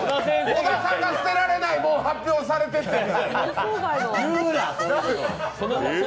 小田さんが捨てられないものを発表されても！